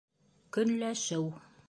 Көнләшеү